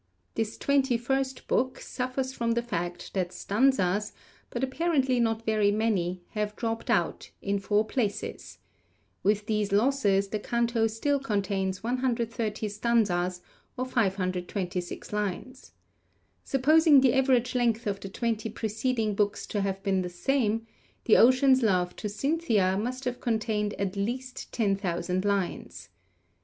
This twenty first book suffers from the fact that stanzas, but apparently not very many, have dropped out, in four places. With these losses, the canto still contains 130 stanzas, or 526 lines. Supposing the average length of the twenty preceding books to have been the same, The Ocean's Love to Cynthia must have contained at least ten thousand lines.